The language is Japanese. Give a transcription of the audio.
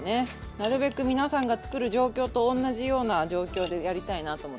なるべく皆さんが作る状況と同じような状況でやりたいなと思って。